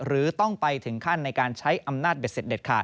หรือต้องไปถึงขั้นในการใช้อำนาจเด็ด